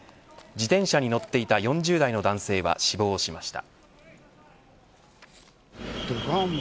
自転車に乗っていた４０代の男性は死亡しました。